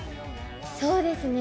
そうですね。